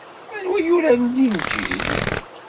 Anwa yuran Linǧil?